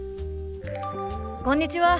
こんにちは。